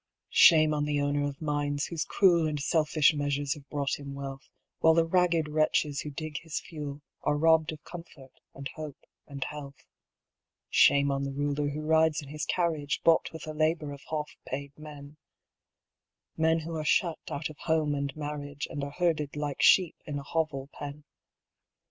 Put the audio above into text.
Shame on the owner of mines whose cruel And selfish measures have brought him wealth, While the ragged wretches who dig his fuel Are robbed of comfort and hope and health. Shame on the ruler who rides in his carriage Bought with the labour of half paid men Men who are shut out of home and marriage And are herded like sheep in a hovel pen.